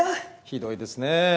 ひどいですね。